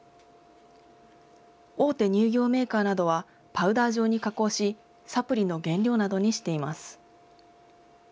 大手乳業メーカーなどは、パウダー状に加工し、サプリの原料などにしています。